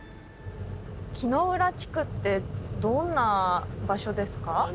木ノ浦地区ってどんな場所ですか？